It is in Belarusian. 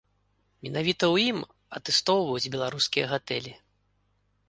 Менавіта ў ім атэстоўваюць беларускія гатэлі.